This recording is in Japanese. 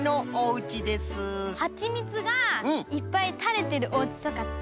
はちみつがいっぱいたれてるおうちとかかな？